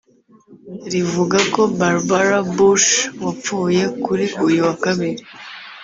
rivuga ko Barbara Bush wapfuye kuri uyu wa kabiri